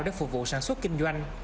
để phục vụ sản xuất kinh doanh